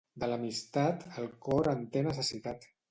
De l'amistat, el cor en té necessitat.